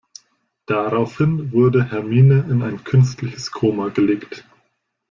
Daraufhin wurde Hermine in ein künstliches Koma gelegt.